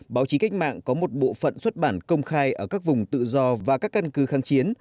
báo chí cách mạng có một bộ phận xuất bản công khai ở các vùng tự do và các căn cứ kháng chiến